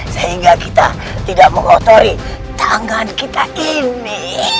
sehingga kita tidak mengotori tangan kita ini